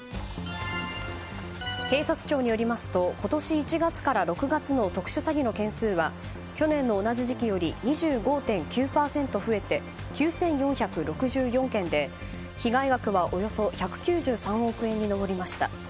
警察庁によりますと今年１月から６月の特殊詐欺の件数は去年の同じ時期より２５．９％増えて９４６４件で被害額はおよそ１９３億円に上りました。